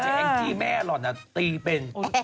จริงแองจีแม่ก็หล่อนนะตีเป็น